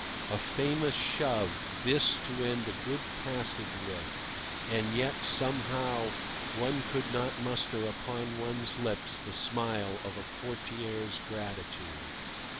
A famous shove this to end a good passage with; and yet, somehow, one could not muster upon one's lips the smile of a courtier's gratitude.